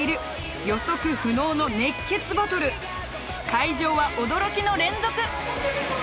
会場は驚きの連続！